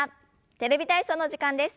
「テレビ体操」の時間です。